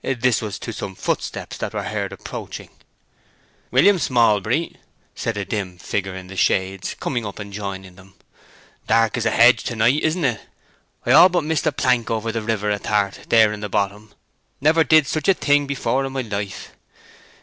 This was to some footsteps that were heard approaching. "William Smallbury," said a dim figure in the shades, coming up and joining them. "Dark as a hedge, to night, isn't it? I all but missed the plank over the river ath'art there in the bottom—never did such a thing before in my life.